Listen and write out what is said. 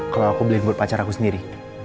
kalau aku beliin buat pacar aku sendiri